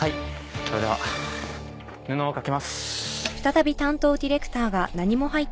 それでは布を掛けます。